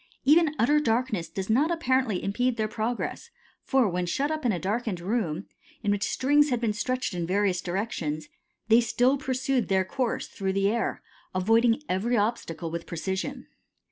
Even utter darkness does not apparently impede their progress, for when shut up in a darkened room, in which strings had been stretched in various directions, they still pursued their course through the air, avoiding every obstacle with precision.